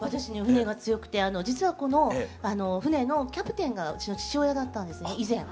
船が強くて実はこの船のキャプテンがうちの父親だったんですね以前。